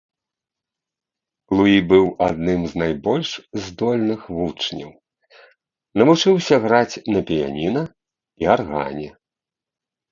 Луі быў адным з найбольш здольных вучняў, навучыўся граць на піяніна і аргане.